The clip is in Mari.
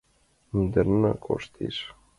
Мӱндырнӧ коштеш